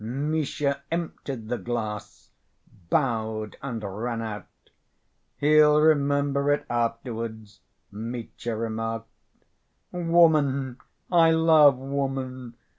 Misha emptied the glass, bowed, and ran out. "He'll remember it afterwards," Mitya remarked. "Woman, I love woman!